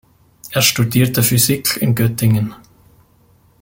Er studierte Physik in Göttingen.